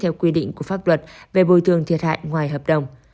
theo quy định của pháp luật về bồi thường thiệt hại ngoài hợp đồng